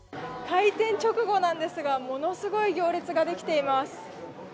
開店直後なんですが、ものすごい行列ができています。